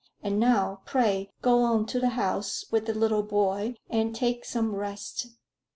And now, pray, go on to the house with the little boy and take some rest.